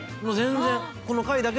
もう全然この。